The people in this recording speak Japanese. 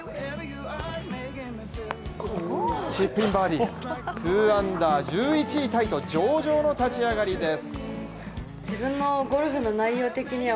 チップインバーディー、２アンダー１１位タイと上々の立ち上がりです。